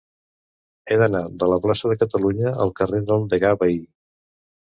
He d'anar de la plaça de Catalunya al carrer del Degà Bahí.